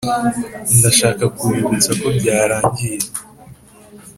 ndashaka kubibutsa ko byarangiye